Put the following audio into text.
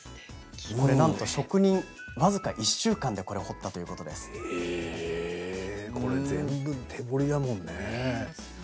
職人がこれを僅か１週間でこれ全部手彫りやもんね。